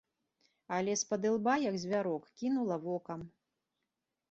Але спадылба, як звярок, кінула вокам.